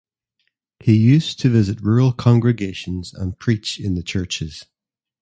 He used to visit rural congregations and preach in the Churches.